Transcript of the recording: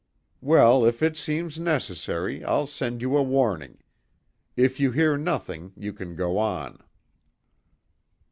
Well, if it seems necessary, I'll send you a warning. If you hear nothing, you can go on."